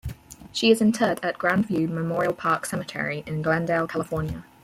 She is interred at Grand View Memorial Park Cemetery in Glendale, California.